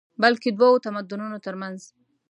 بلکې دوو تمدنونو تر منځ